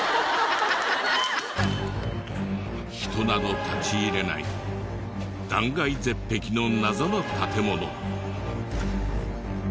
人など立ち入れない断崖絶壁の謎の建物。